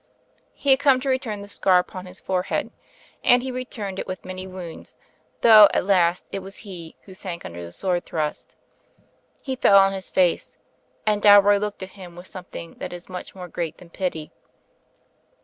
He had come to return the scar upon his fore head; and he returned it with many wounds, though at last it was he who sank under the sword thrust. He fell on his face ; and Dalroy looked at him with some thing that is much more great than pity.